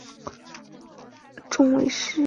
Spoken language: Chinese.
后代以右师戊以其行次仲为氏。